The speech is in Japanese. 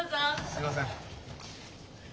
すみません。